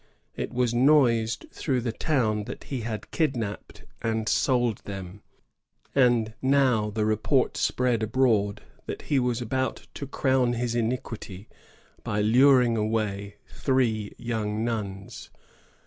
It was noised through the town that he had kidnapped and sold them ; and now the report spread abroad that he was about to crown his iniquity by luring away three yoimg nuns.